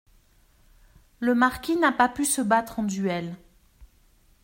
Le marquis n'a pas pu se battre en duel.